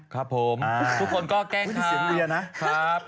ครับผมทุกคนก็แกล้งคำ